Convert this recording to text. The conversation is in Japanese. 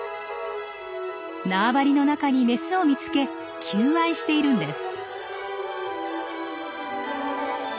縄張りの中にメスを見つけ求愛しているんです。